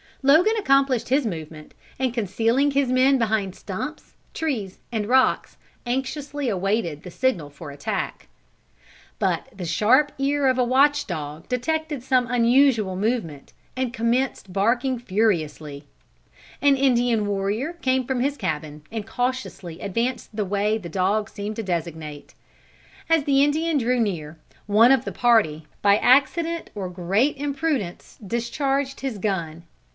Logan accomplished his movement, and concealing his men behind stumps, trees, and rocks, anxiously awaited the signal for attack. But the sharp ear of a watch dog detected some unusual movement, and commenced barking furiously. An Indian warrior came from his cabin, and cautiously advanced the way the dog seemed to designate. As the Indian drew near, one of the party, by accident or great imprudence, discharged his gun.